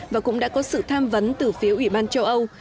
và cũng đã có sự tham vấn từ phía ủy ban châu âu